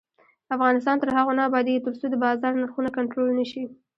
افغانستان تر هغو نه ابادیږي، ترڅو د بازار نرخونه کنټرول نشي.